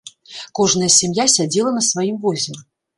Кожная сям'я сядзела на сваім возе.